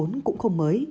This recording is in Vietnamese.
câu chuyện cũng không mới